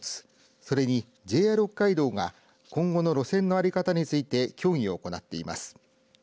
それにＪＲ北海道が今後の路線のあり方について協議を行っています。